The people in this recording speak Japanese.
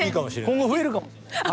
今後増えるかもしれない。